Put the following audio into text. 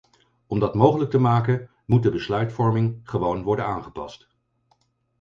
Om dat mogelijk te maken moet de besluitvorming gewoon worden aangepast.